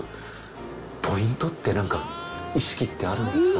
ポイントってなんか意識ってあるんですか？